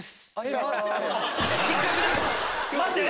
待って！